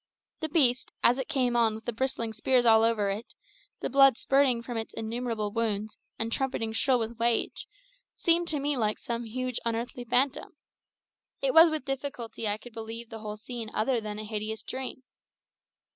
The beast, as it came on with the bristling spears all over it, the blood spirting from its innumerable wounds, and trumpeting shrill with rage, seemed to me like some huge unearthly phantom. It was with difficulty I could believe the whole scene other than a hideous dream.